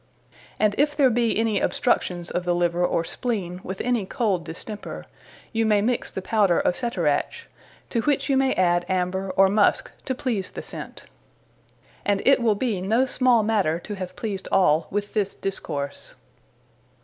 And if there be any obstructions of the Liver, or Spleene, with any cold distemper, you may mixe the powder of Ceterach; to which you may adde Amber, or Muske, to please the scent. And it will be no small matter, to have pleased all, with this Discourse.